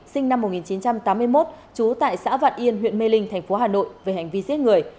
sinh năm một nghìn chín trăm tám mươi một trú tại xã vạn yên huyện mê linh thành phố hà nội về hành vi giết người